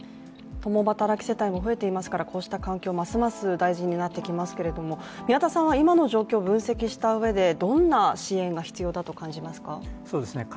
共働き世帯も増えていますから、こうした環境ますます大事になってきますけれども宮田さんは今の状況分析したうえでどんな支援が必要だと感じますか？